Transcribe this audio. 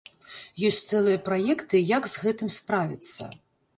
Ёсць цэлыя праекты, як з гэтым справіцца.